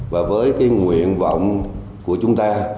và với cái nguyện vọng của chúng ta